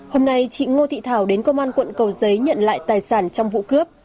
hôm nay chị ngô thị thảo đến công an quận cầu giấy nhận lại tài sản trong vụ cướp